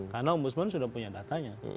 karena om busman sudah punya datanya